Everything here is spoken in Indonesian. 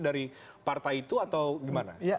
dari partai itu atau gimana